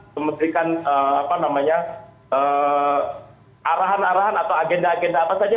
memberikan arahan arahan atau agenda agenda apa saja